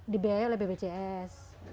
dibiayai oleh bpjs